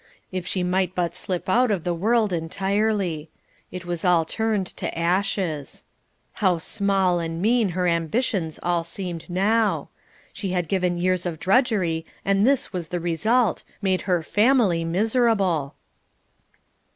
If she might but slip out of the world entirely; it was all turned to ashes. How small and mean her ambitions all seemed now. She had given years of drudgery and this was the result: made her family miserable.